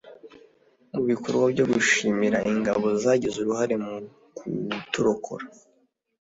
mu bikorwa byo gushimira Ingabo zagize uruhare mu kuturokora